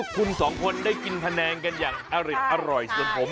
คุณสองคนได้กินพะแดงกันอร่อยกว่าผม